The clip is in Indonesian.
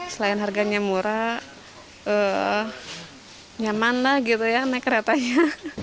selain harganya murah nyaman lah gitu ya naik keretanya